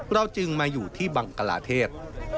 เราจึงมาอยู่ที่บังกลาเทศ